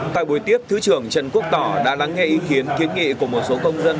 tại buổi tiếp thứ trưởng trần quốc tỏ đã lắng nghe ý kiến kiến nghị của một số công dân